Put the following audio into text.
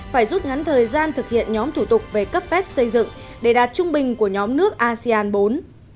phải rút ngắn thời gian thực hiện nhóm thủ tục về cấp phép xây dựng để đạt trung bình của nhóm nước asean bốn